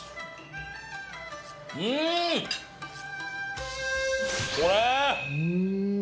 うん！これ！